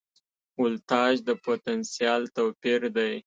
ولتاژ د پوتنسیال توپیر دی.